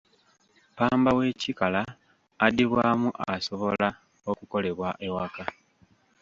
Ppamba w'ekikala addibwamu asobola okukolebwa ewaka.